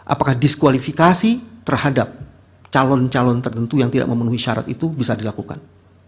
apakah diskualifikasi terhadap calon calon tertentu yang tidak memenuhi syarat itu bisa dilakukan